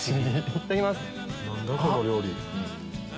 いただきます。